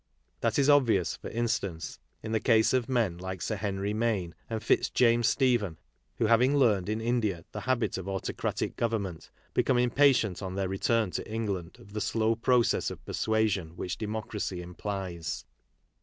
That is obvious, for instance, in the case of men like Sir Henry Maine and Fitzjames Stephen, who, having learned in India the habit of autocratic government, become impatient on their return to England of the slow process of persuasion which democracy implies.